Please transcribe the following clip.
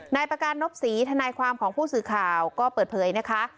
นายประการนบศรีทนายความของผู้สื่อข่าวก็เปิดเผยนะคะ